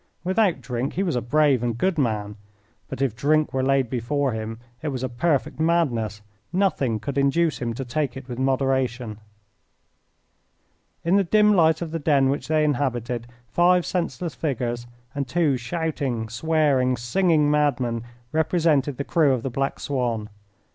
Without drink he was a brave and good man. But if drink were laid before him it was a perfect madness nothing could induce him to take it with moderation. In the dim light of the den which they inhabited, five senseless figures and two shouting, swearing, singing madmen represented the crew of the Black Swan.